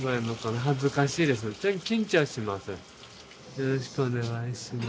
よろしくお願いします。